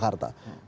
kemarin dia kata